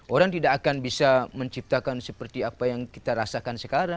orang tidak akan bisa menciptakan seperti apa yang kita rasakan sekarang